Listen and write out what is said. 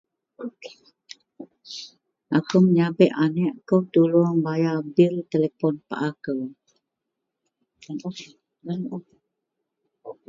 Akou menyabek aneak kou tuluong bayar bil telipon paa kou. Yen un yen un.